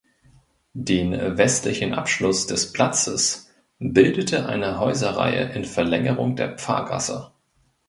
Den westlichen Abschluss des Platzes bildete eine Häuserreihe in Verlängerung der Pfarrgasse.